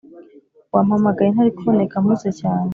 wampamagaye ntarikuboneka mpuze cyane